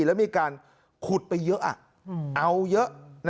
แล้วมีการขุดไปเยอะเอาเยอะ